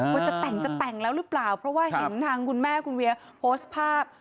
ว่าจะแต่งจะแต่งแล้วหรือเปล่าเพราะว่าเห็นทางคุณแม่คุณเวียโพสต์ภาพ